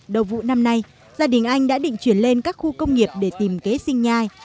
đầu vụ năm nay gia đình anh đã định chuyển lên các khu công nghiệp để tìm kế sinh nhai